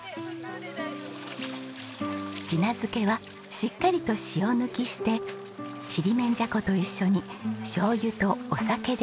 地菜漬けはしっかりと塩抜きしてちりめんじゃこと一緒にしょう油とお酒で炒めます。